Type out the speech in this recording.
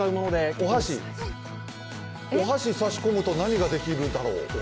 お箸差し込むと、何ができるだろう？